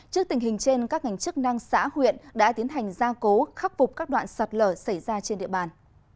trước tình hình trên các ngành chức năng xã huyện đã tiến hành gia cố khắc phục các đoạn sạt lở xảy ra trên địa bàn